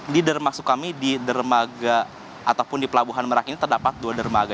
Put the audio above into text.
dirma masuk kami di dermaga ataupun di pelabuhan merak ini terdapat dua dermaga